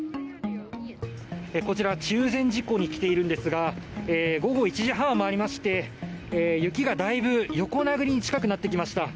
こちら中禅寺湖に来ているんですが午後１時半を回りまして雪がだいぶ横殴りに近くなってきました。